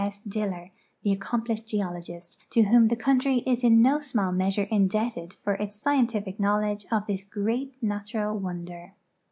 S. Diller, the accomplished geologist to whom the country is in no small measure indebted for its scientific knowledge of this great natural wonder.